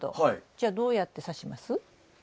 じゃあどうやってさします？